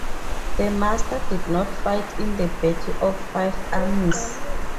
The Master did not fight in the Battle of Five Armies.